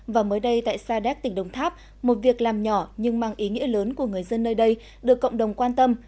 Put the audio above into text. và mới đây tại sa đéc tỉnh đồng tháp một việc làm nhỏ nhưng mang ý nghĩa lớn của người dân nơi đây được cộng đồng quan tâm